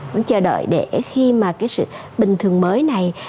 cũng chờ đợi để khi mà cái sự bình thường mới này